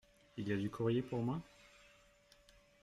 Il y a du courrier pour moi ?